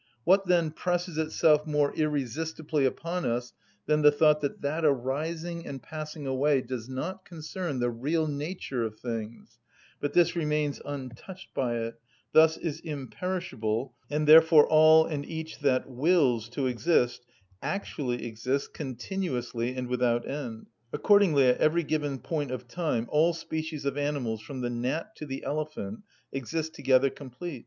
What then presses itself more irresistibly upon us than the thought that that arising and passing away does not concern the real nature of things, but this remains untouched by it, thus is imperishable, and therefore all and each that wills to exist actually exists continuously and without end. Accordingly at every given point of time all species of animals, from the gnat to the elephant, exist together complete.